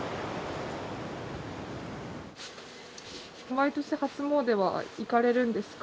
毎年初詣は行かれるんですか？